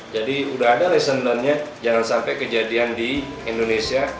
jadi udah ada lesson learnednya jangan sampai kejadian di indonesia